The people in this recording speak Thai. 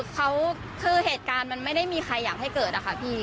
เขาคือเหตุการณ์มันไม่ได้มีใครอยากให้เกิดอะค่ะพี่